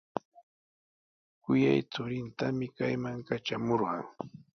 Kuyay churintami kayman katramurqan.